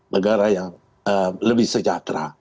negara yang lebih sejahtera